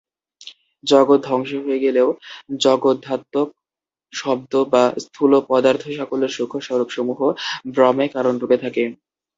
জগৎ ধ্বংস হয়ে গেলেও জগদ্বোধাত্মক শব্দ বা স্থূল পদার্থসকলের সূক্ষ্ম স্বরূপসমূহ ব্রহ্মে কারণরূপে থাকে।